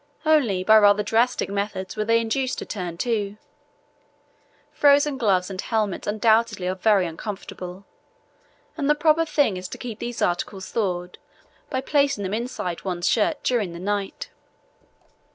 Only by rather drastic methods were they induced to turn to. Frozen gloves and helmets undoubtedly are very uncomfortable, and the proper thing is to keep these articles thawed by placing them inside one's shirt during the night.